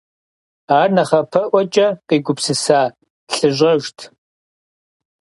Ар нэхъапэӀуэкӀэ къигупсыса лъыщӀэжт.